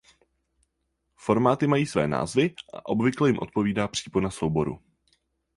Formáty mají své názvy a obvykle jim odpovídá přípona souboru.